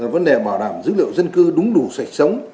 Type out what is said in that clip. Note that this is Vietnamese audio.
vấn đề bảo đảm dữ liệu dân cư đúng đủ sạch sống